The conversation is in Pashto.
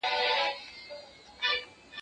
زه له سهاره د سبا لپاره د سوالونو جواب ورکوم!.